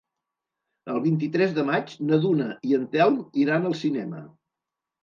El vint-i-tres de maig na Duna i en Telm iran al cinema.